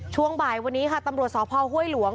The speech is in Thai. ช่วงบ่ายวันนี้ค่ะตำรวจสพห้วยหลวง